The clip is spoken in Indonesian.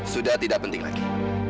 sudah tidak penting lagi